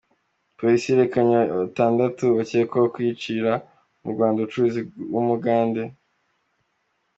Polisi yerekanye batandatu bakekwaho kwicira mu Rwanda umucuruzi w’Umugande